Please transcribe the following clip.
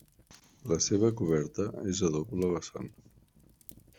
La seva coberta és a doble vessant.